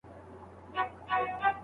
خپله پوهه د ټولني د اصلاح لپاره وکاروئ.